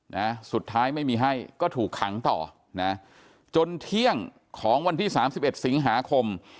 นะสุดท้ายไม่มีให้ก็ถูกขังต่อนะจนเที่ยงของวันที่สามสิบเอ็ดสิงหาคม